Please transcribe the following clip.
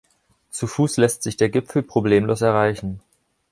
Zu Fuß lässt sich der Gipfel problemlos erreichen.